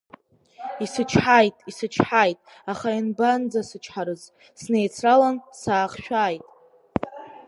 Исычҳаит, исычҳаит, аха ианбанӡасычҳарыз, снеицралан саахшәааит.